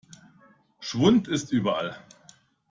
Schwund ist überall.